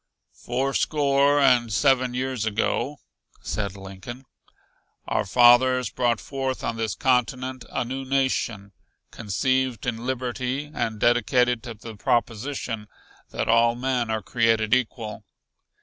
"Fourscore and seven years ago," said Lincoln, "our fathers brought forth on this continent a new nation, conceived in liberty, and dedicated to the proposition that all men are created equal.